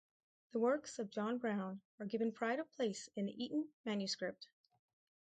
The works of John Browne are given pride of place in the Eton manuscript.